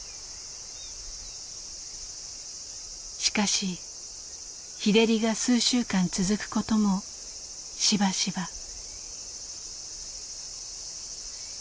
しかし日照りが数週間続くこともしばしば。